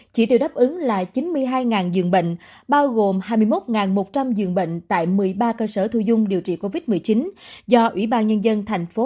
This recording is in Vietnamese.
chỉ được đáp ứng là chín mươi hai dường bệnh bao gồm hai mươi một một trăm linh giường bệnh tại một mươi ba cơ sở thu dung điều trị covid một mươi chín do ủy ban nhân dân thành phố